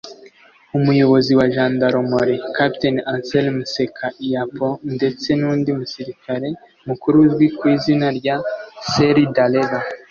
umuyobozi wa jandarumori Capt Anselme Seka Yapo ndetse n’undi musirikare mukuru uzwi ku izina rya Sery Daleba